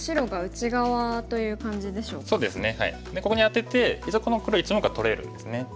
ここにアテて一応この黒１目は取れるんですね。